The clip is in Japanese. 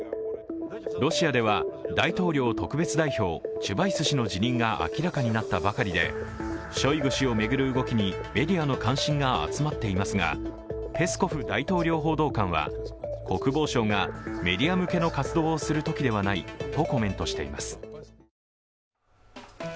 ロシアでは、大統領特別代表チュバイス氏の辞任が明らかになったばかりでショイグ氏を巡る動きにメディアの関心が集まっていますが、ペスコフ大統領報道官は、国防省がメディア向けの活動をするときではないとコメントしています。